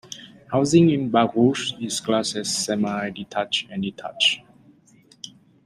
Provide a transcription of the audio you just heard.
Housing in Barugh is classed as semi-detached and detached.